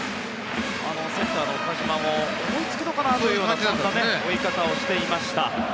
センターの岡島も追いつくのかなという感じの追い方をしていました。